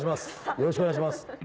よろしくお願いします。